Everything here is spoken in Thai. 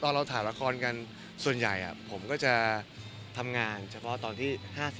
เราถ่ายละครกันส่วนใหญ่ผมก็จะทำงานเฉพาะตอนที่๕๐